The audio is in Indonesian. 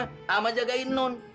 sama jagain non